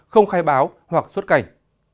không khai báo hoặc xuất cảnh